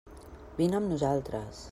Vine amb nosaltres.